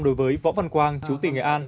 đối với võ văn quang chủ tịch nghệ an